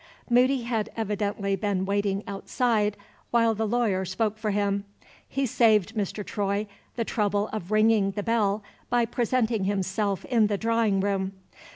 Moody had evidently been waiting outside while the lawyer spoke for him. He saved Mr. Troy the trouble of ringing the bell by presenting himself in the drawing room.